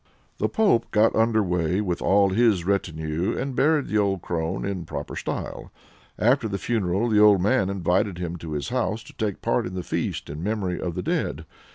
The pope got under weigh with all his retinue, and buried the old crone in proper style. After the funeral the old man invited him to his house, to take part in the feast in memory of the dead.